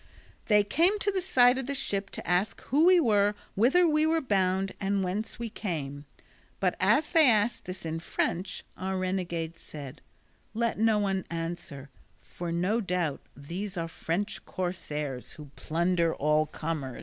They came to the side of the ship to ask who we were, whither we were bound, and whence we came, but as they asked this in French our renegade said, "Let no one answer, for no doubt these are French corsairs who plunder all comers."